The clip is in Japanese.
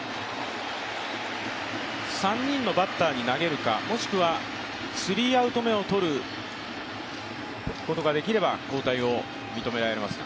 ３人のバッターに投げるか、もしくはスリーアウト目を取ることができれば交代を認められますが。